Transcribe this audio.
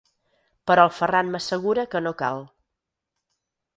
Però el Ferran m'assegura que no cal.